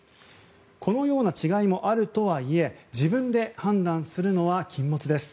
このような違いもあるとはいえ自分で判断するのは禁物です。